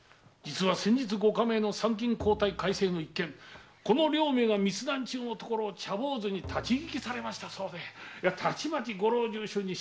先日ご下命の参勤交代改正の一件この両名が密談中のところを立ち聞きされたそうでたちまちご老中衆に知れ渡りました。